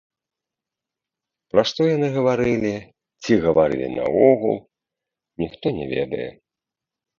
Пра што яны гаварылі, ці гаварылі наогул, ніхто не ведае.